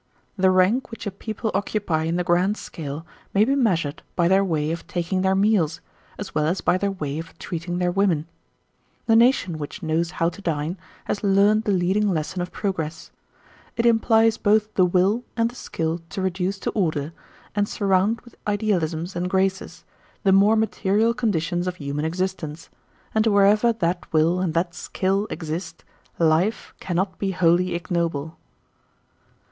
The rank which a people occupy in the grand scale may be measured by their way of taking their meals, as well as by their way of treating their women. The nation which knows how to dine has learnt the leading lesson of progress. It implies both the will and the skill to reduce to order, and surround with idealisms and graces, the more material conditions of human existence; and wherever that will and that skill exist, life cannot be wholly ignoble.